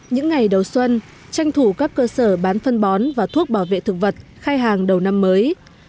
những ngày đầu xuân tranh thủ các cơ sở bán phân bón và thuốc bảo vệ thực vật khai hàng đầu năm mới